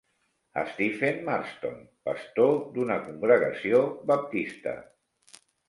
Stephen Marston, pastor d'una congregació baptista.